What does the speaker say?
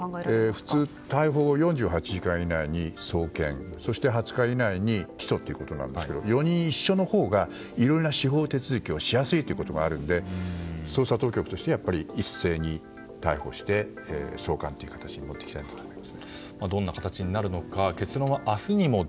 普通、逮捕後４８時間以内に送検、そして２０日以内に起訴ということですが４人一緒のほうがいろいろな司法手続きをしやすいということがあるので捜査当局として一斉に逮捕して送還という形に持っていきたいかなと思います。